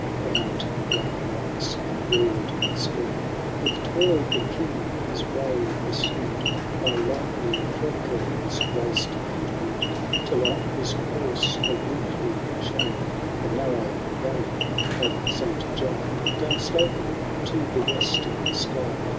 Frowned the black rocks, and roar*d the stream. * With toil the King his way pursued fiy lonely Threlkeld's waste and wood. Till on his course obliquely shone The nanow valley of Saint John, Down sloping to the western sky.